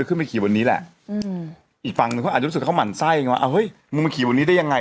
เขาไม่ควรจะขึ้นมาขี่บนนี่